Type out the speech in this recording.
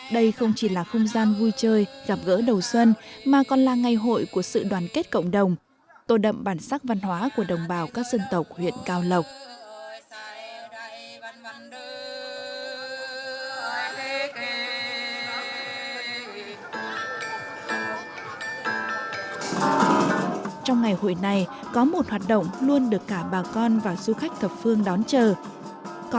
đây không chỉ là không gian vui chơi gặp gỡ đầu xuân mà còn là ngày hội của sự đoàn kết cộng đồng tổ đậm bản sắc văn hóa của đồng bào các dân tộc huyện cao lộc